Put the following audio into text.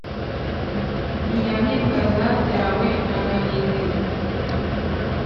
Inyamibwa zabyawe na Gahindiro.